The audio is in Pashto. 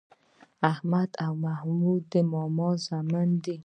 احمد او محمود د ماما زامن دي.